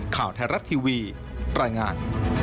ข่าวไทยรัฐทีวีรายงาน